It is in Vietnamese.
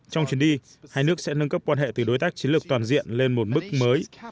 trong chuyến đi hai nước sẽ nâng cấp quan hệ từ đối tác chiến lược toàn diện lên một mức mới